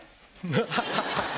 ハハハハハ！